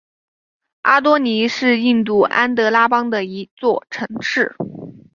阿多尼是印度安得拉邦的一座城市。